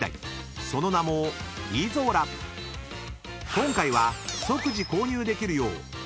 ［今回は］